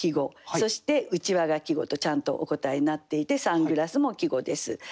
そして「うちわ」が季語とちゃんとお答えになっていて「サングラス」も季語です。